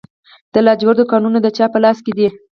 د لاجوردو کانونه د چا په لاس کې دي؟